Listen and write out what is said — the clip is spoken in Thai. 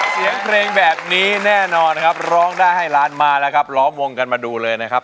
เสียงเพลงแบบนี้แน่นอนนะครับร้องได้ให้ล้านมาแล้วครับล้อมวงกันมาดูเลยนะครับ